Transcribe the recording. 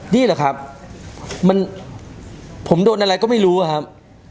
นี่เหรอครับผมโดนอะไรก็ไม่รู้ครับ